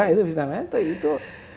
itu bisa itu itu